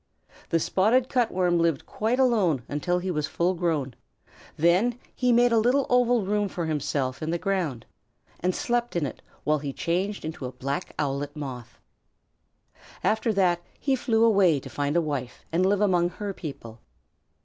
The Spotted Cut Worm lived quite alone until he was full grown, then he made a little oval room for himself in the ground and slept in it while he changed into a Black Owlet Moth. After that he flew away to find a wife and live among her people.